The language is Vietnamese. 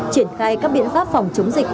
triển khai các biện pháp phòng chống dịch